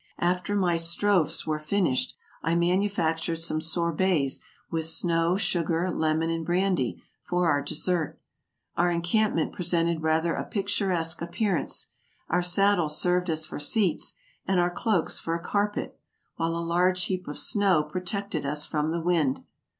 After my strophes were finished, I manufac tured some sorbets with snow, sugar, lemon and brandy, for our dessert. Our encampment presented rather a pic turesque appearance; our saddles served us for seats, and our cloaks for a carpet, while a large heap of snow pro tected us from the wind.